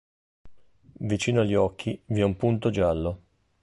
Vicino agli occhi vi è un punto giallo.